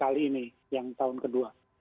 kali ini yang tahun kedua